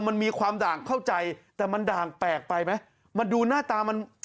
มันมีความด่างเข้าใจแต่มันด่างแปลกไปไหมมันดูหน้าตามัน